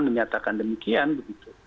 menyatakan demikian begitu